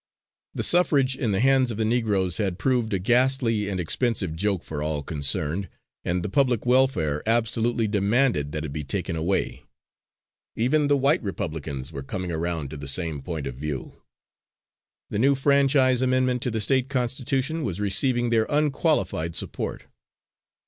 The suffrage in the hands of the Negroes had proved a ghastly and expensive joke for all concerned, and the public welfare absolutely demanded that it be taken away. Even the white Republicans were coming around to the same point of view. The new franchise amendment to the State constitution was receiving their unqualified support.